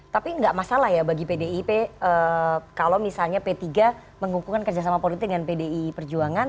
tapi nggak masalah ya bagi pdip kalau misalnya p tiga mengukuhkan kerjasama politik dengan pdi perjuangan